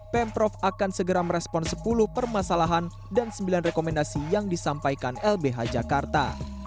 pemprov akan segera merespon sepuluh permasalahan dan sembilan rekomendasi yang disampaikan lbh jakarta